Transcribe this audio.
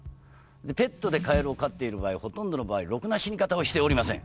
でペットでカエルを飼っている場合ほとんどの場合ろくな死に方をしておりません。